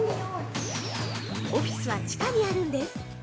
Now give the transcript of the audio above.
◆オフィスは地下にあるんです。